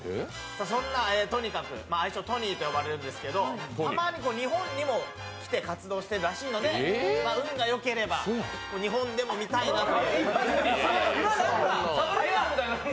そんなＴｏｎｉｋａｋｕ、愛称トニーと呼ばれるんですけどたまに日本にも来て活動してるらしいので運がよければ日本でも見たいなと。